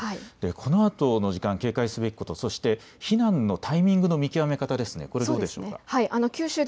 このあとの時間、警戒すべきこと、そして避難のタイミングの見極め方はどうでしょうか。